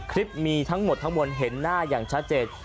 คลิปมีทั้งหมดทั้งมวลเห็นหน้าอย่างชัดเจน